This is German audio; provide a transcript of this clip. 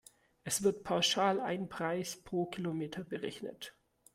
Es wird pauschal ein Preis pro Kilometer berechnet.